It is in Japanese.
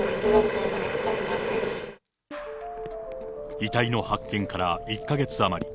遺体の発見から１か月余り。